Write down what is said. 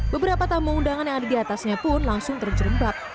beberapa tamu undangan yang ada di atasnya pun langsung terjerembab